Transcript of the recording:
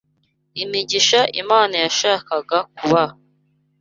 imigisha Imana yashakaga kubaha